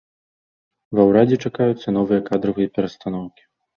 Ва ўрадзе чакаюцца новыя кадравыя перастаноўкі.